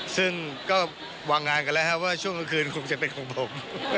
ซึ่งก็วางงานกันแล้วว่าช่วงกลางคืนคงจะเป็นของผม